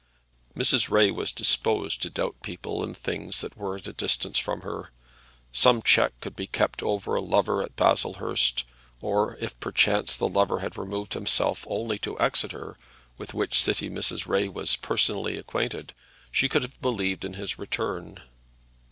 Mrs. Ray was disposed to doubt people and things that were at a distance from her. Some check could be kept over a lover at Baslehurst; or, if perchance the lover had removed himself only to Exeter, with which city Mrs. Ray was personally acquainted, she could have believed in his return.